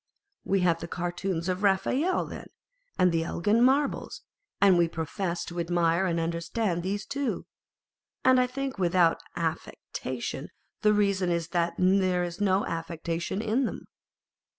We have the Cartoons of Raphael then, and the Elgin Marbles ; and we profess to admire and understand these too, and I think without any aft'ectation. The reason is that there is no affectation in them.